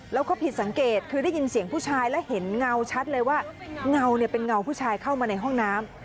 แล้วก็ผิดสังเกตคือได้ยินเสียงผู้ชายแล้วเห็นเงาชัดเลยว่าเงาเนี่ยเป็นเงาผู้ชายเข้ามาในห้องน้ำ